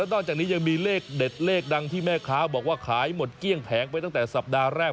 นอกจากนี้ยังมีเลขเด็ดเลขดังที่แม่ค้าบอกว่าขายหมดเกลี้ยงแผงไปตั้งแต่สัปดาห์แรก